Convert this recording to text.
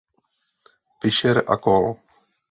Fischer a kol.